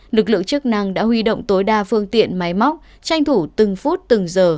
lực lượng chức năng đã huy động tối đa phương tiện máy móc tranh thủ từng phút từng giờ